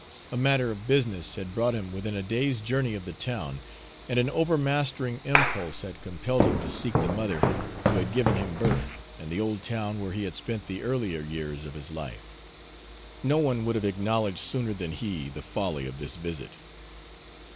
A matter of business had brought him within a day's journey of the town, and an over mastering impulse had compelled him to seek the mother who had given him birth and the old town where he had spent the earlier years of his life. No one would have acknowledged sooner than he the folly of this visit.